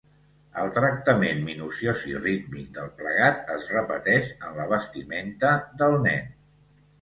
El tractament minuciós i rítmic del plegat es repeteix en la vestimenta del Nen.